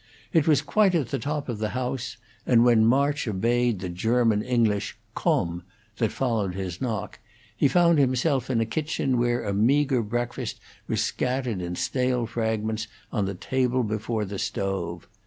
It was quite at the top of the house, and when March obeyed the German English "Komm!" that followed his knock, he found himself in a kitchen where a meagre breakfast was scattered in stale fragments on the table before the stove.